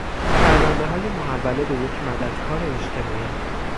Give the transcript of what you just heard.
پروندههای محوله به یک مدد کار اجتماعی